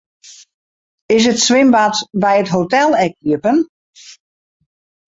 Is it swimbad by it hotel ek iepen?